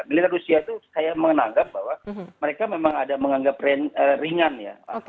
militer rusia itu saya menganggap bahwa mereka memang ada menganggap ringan ya